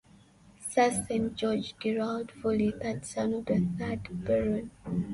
Sir Saint George Gerald Foley, third son of the third Baron.